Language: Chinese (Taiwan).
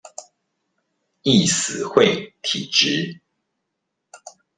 易死會體質